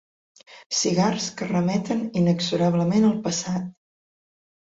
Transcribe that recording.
Cigars que remeten inexorablement al passat.